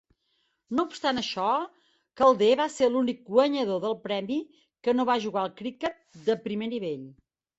No obstant això, Calder va ser l'únic guanyador del premi que no va jugar al criquet de primer nivell.